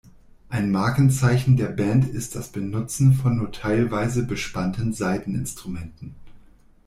Ein Markenzeichen der Band ist das Benutzen von nur teilweise bespannten Saiteninstrumenten.